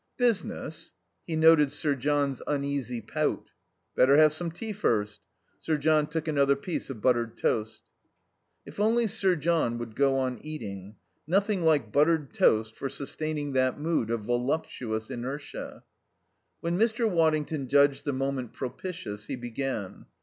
"Business?" (He noted Sir John's uneasy pout.) "Better have some tea first." Sir John took another piece of buttered toast. If only Sir John would go on eating. Nothing like buttered toast for sustaining that mood of voluptuous inertia. When Mr. Waddington judged the moment propitious he began.